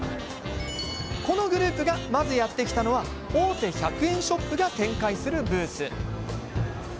このグループがやって来たのは大手１００円ショップが展開するブース。